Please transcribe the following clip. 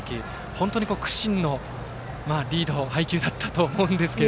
本当に苦心のリード配球だったと思いますけど。